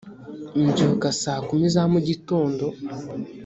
mbyuka saa kumi za mu gitondo